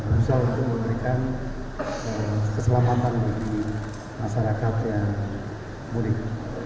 berusaha untuk memberikan keselamatan bagi masyarakat yang mudik